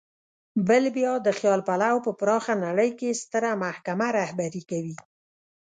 بل بیا د خیال پلو په پراخه نړۍ کې ستره محکمه رهبري کوي.